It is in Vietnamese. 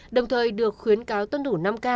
đồng thời được khuyến cáo tuân thủ năm k